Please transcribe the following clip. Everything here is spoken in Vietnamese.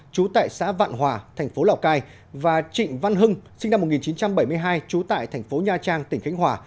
trú tại xã vạn hòa thành phố lào cai và trịnh văn hưng sinh năm một nghìn chín trăm bảy mươi hai trú tại thành phố nha trang tỉnh khánh hòa